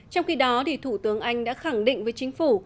trong khi đó thủ tướng anh đã khẳng định với chính phủ